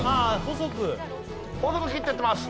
細く切っていってます。